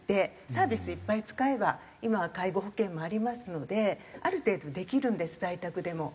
サービスいっぱい使えば今は介護保険もありますのである程度できるんです在宅でも。